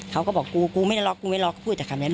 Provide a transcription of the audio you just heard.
เขาก็บอกกูไม่ได้ล็อกกูไม่ได้ล็อกก็พูดแต่คำเดียว